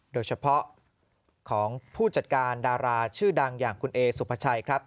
โดยเฉพาะของผู้จัดการดาราชื่อดังอย่างคุณเอสุภาชัยครับ